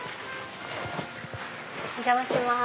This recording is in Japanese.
お邪魔します。